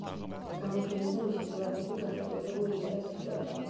გამოფენაზე მისი სურათები განსაკუთრებულ ინტერესს იწვევდა.